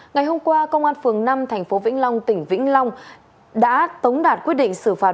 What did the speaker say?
ngày hôm qua công an phường năm tp vĩnh long tỉnh vĩnh long đã tống đạt quyết định xử phạt